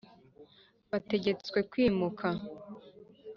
Bategetswe kwimuka.